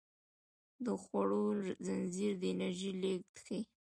د خوړو زنځیر د انرژۍ لیږد ښيي